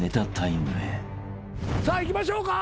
さあいきましょうか。